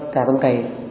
trà tông kỳ